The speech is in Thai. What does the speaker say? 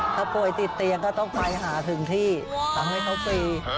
ถ้าป่วยติดเตียงก็ต้องไปหาถึงที่ทำให้เขาฟรี